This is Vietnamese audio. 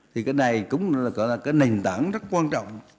thì cái này cũng là cái nền tảng rất quan trọng